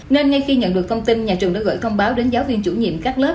nên ngay khi nhận được thông tin nhà trường đã gửi thông báo đến giáo viên chủ nhiệm các lớp